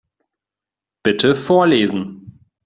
Bitte vorlesen.